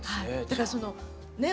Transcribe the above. だからそのね